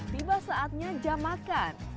tiba saatnya jam makan